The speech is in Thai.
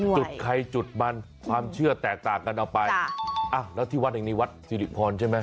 จุดใครจุดมันความเชื่อแตกต่างกันออกไปแล้วที่วัดแห่งนี้วัดสิริพรใช่ไหม